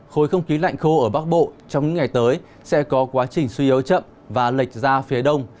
khối không khí lạnh khô ở bắc bộ trong những ngày tới sẽ có quá trình suy yếu chậm và lệch ra phía đông